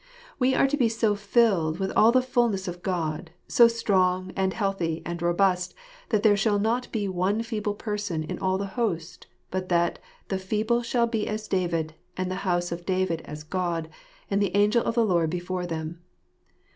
We are to be so filled with all the fulness of God; so strong, and healthy, and robust, that there shall not be " one feeble person " in all the host, but that " the feeble shall be as David, and the house of David as God, as the angel of the Lord before them."